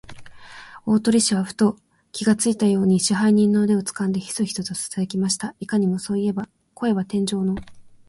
大鳥氏はふと気がついたように、支配人の腕をつかんで、ヒソヒソとささやきました。いかにも、そういえば、声は天井の方角からひびいてくるようです。